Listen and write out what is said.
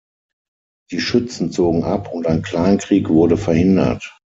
Die Schützen zogen ab und ein Kleinkrieg wurde verhindert.